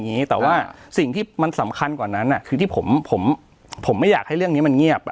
กว่านั้นอ่ะคือที่ผมผมผมไม่อยากให้เรื่องนี้มันเงียบอ่ะ